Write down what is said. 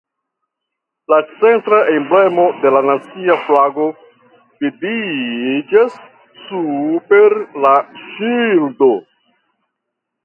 La centra emblemo de la nacia flago vidiĝas super la ŝildo.